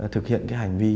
thực hiện cái hành vi